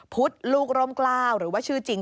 ผุ๊ดลูกรมกล้าวหรือชื่อจริง